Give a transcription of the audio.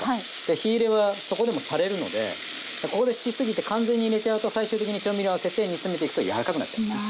火入れはそこでもされるのでここでしすぎて完全に入れちゃうと最終的に調味料合わせて煮詰めていくとやわらかくなっちゃうんですね。